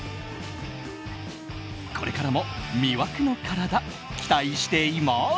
これからも魅惑の体、期待しています！